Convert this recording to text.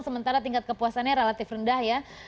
sementara tingkat kepuasannya relatif rendah ya